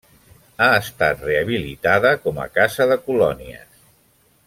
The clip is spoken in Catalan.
Ha estat rehabilitada com a casa de colònies.